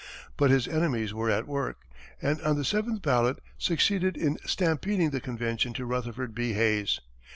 But his enemies were at work, and on the seventh ballot, succeeded in stampeding the convention to Rutherford B. Hayes.